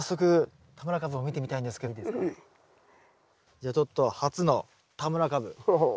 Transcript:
じゃあちょっと初の田村かぶ。